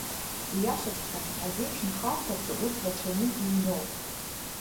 Ииашаҵәҟьаны, азеиԥшнхарҭаҿы урҭ рацәаҩны иҩноуп.